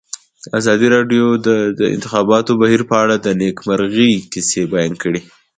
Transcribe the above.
ازادي راډیو د د انتخاباتو بهیر په اړه د نېکمرغۍ کیسې بیان کړې.